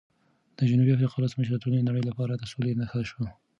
د جنوبي افریقا ولسمشر د ټولې نړۍ لپاره د سولې نښه شو.